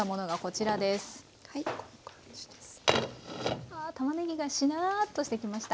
うわたまねぎがしなっとしてきました。